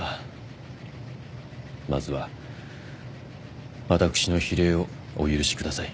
まずは私の非礼をお許しください。